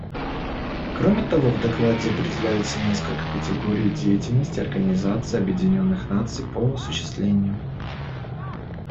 Кроме того, в докладе определяются несколько категорий деятельности Организации Объединенных Наций по осуществлению.